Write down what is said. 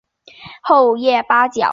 厚叶八角